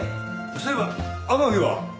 そういえば天樹は？